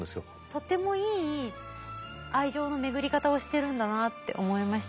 とてもいい愛情の巡り方をしてるんだなって思いましたね。